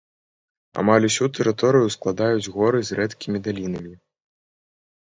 Амаль усю тэрыторыю складаюць горы з рэдкімі далінамі.